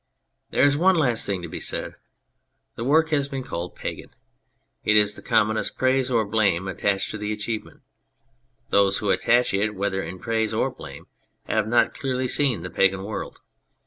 There is one last thing to be said : the work has been called pagan. It is the commonest praise or blame attached to the achievement. Those who attach it, whether in praise or blame, have not clearly seen the pagan world.